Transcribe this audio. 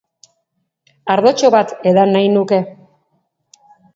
Ardotxo bat edan nahi nuke.